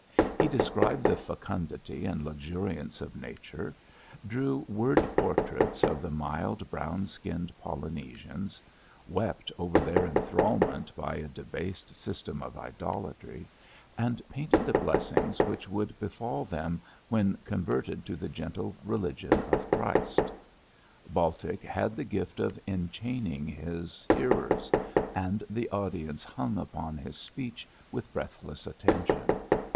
He described the fecundity and luxuriance of Nature, drew word portraits of the mild, brown skinned Polynesians, wept over their enthralment by a debased system of idolatry, and painted the blessings which would befall them when converted to the gentle religion of Christ. Baltic had the gift of enchaining his hearers, and the audience hung upon his speech with breathless attention.